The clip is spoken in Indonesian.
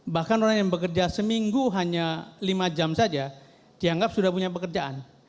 bahkan orang yang bekerja seminggu hanya lima jam saja dianggap sudah punya pekerjaan